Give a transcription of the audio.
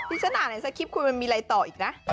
ที่ฉันอ่านในสคริปต์คุณมันมีอะไรต่ออีกนะ